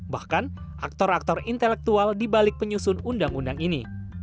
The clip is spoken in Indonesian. bahkan aktor aktor intelektual dibalik penyusun undang undang ini